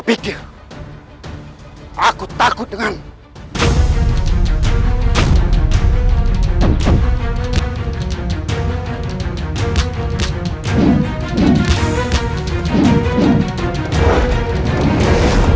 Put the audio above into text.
jadi kau mampus